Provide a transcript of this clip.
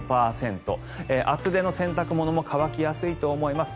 厚手の洗濯物も乾きやすいと思います。